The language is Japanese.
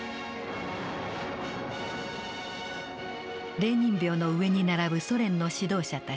レーニン廟の上に並ぶソ連の指導者たち。